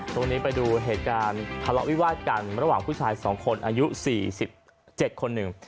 ตรงนี้ไปดูเหตุการณ์ทะเลาะวิวาดกันระหว่างผู้ชาย๒คนอายุ๔๗คนหนึ่ง